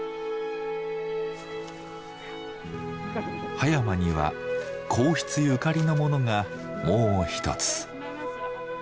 葉山には皇室ゆかりのものがもう一つ。